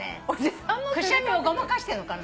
くしゃみをごまかしてんのかな？